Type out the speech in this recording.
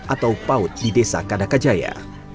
atau paut di desa kadakajaya